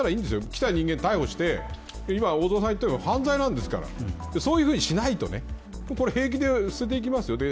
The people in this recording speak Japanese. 来た人間を逮捕して大空さんが言ったように犯罪なんですからそういうふうにしないと平気で捨てていきますよ。